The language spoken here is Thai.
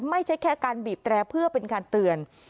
ไม่ใช่แค่การบีบแตรเพื่อเป็นการเตือน